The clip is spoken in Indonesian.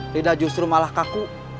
lidah justru malah kaku